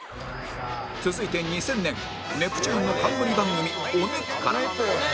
続いて２０００年ネプチューンの冠番組『おネプ！』から